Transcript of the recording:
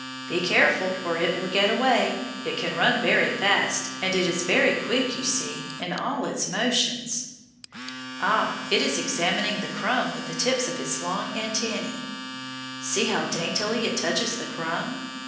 Be careful, or it will get away; it can run very fast, and it is very quick, you see, in all its motions. Ah, it is examining the crumb with the tips of its long antennæ. See how daintily it touches the crumb.